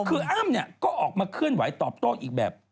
คืออ้ำเนี่ยก็ออกมาเคลื่อนไหวตอบโต้อีกแบบ